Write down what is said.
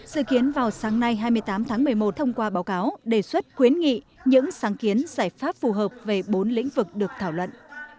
dự kiến vào sáng nay hai mươi tám tháng một mươi một thông qua báo cáo đề xuất khuyến nghị những sáng kiến giải pháp phù hợp về bốn lĩnh vực được thảo luận